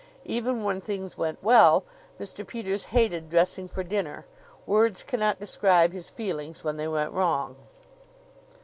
Even when things went well, Mr. Peters hated dressing for dinner. Words cannot describe his feelings when they went wrong.